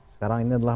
sekarang ini adalah